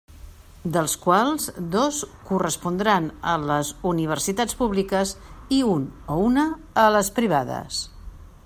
Dels quals, dos correspondran a les universitats públiques i un o una a les privades.